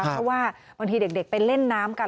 เพราะว่าบางทีเด็กไปเล่นน้ำกัน